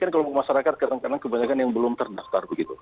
kelompok masyarakat kadang kadang kebanyakan yang belum terdaptar